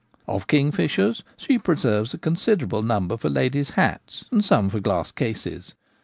Of kingfishers she preserves a considerable number for ladies' hats, and some for glass cases.